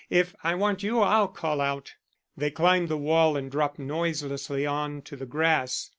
If I want you I'll call out." They climbed the wall and dropped noiselessly on to the grass.